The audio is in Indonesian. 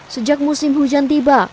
sejak musim hujan tiba